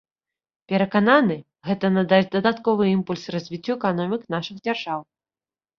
Перакананы, гэта надасць дадатковы імпульс развіццю эканомік нашых дзяржаў.